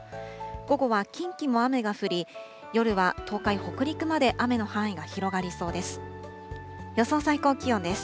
午後は近畿も雨が降り、夜は東海、北陸まで雨の範囲が広がりそうです。